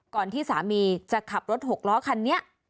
ที่สามีจะขับรถหกล้อคันนี้